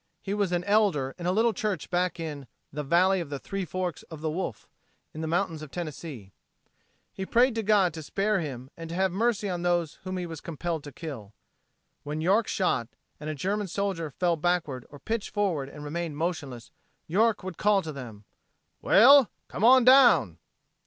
He was an elder in a little church back in the "Valley of the Three Forks o' the Wolf" in the mountains of Tennessee. He prayed to God to spare him and to have mercy on those he was compelled to kill. When York shot, and a German soldier fell backward or pitched forward and remained motionless, York would call to them: "Well! Come on down!"